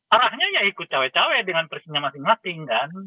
arahnya ya ikut cewek cewek dengan prinsipnya masing masing